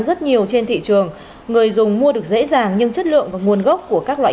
rất nhiều trên thị trường người dùng mua được dễ dàng nhưng chất lượng và nguồn gốc của các loại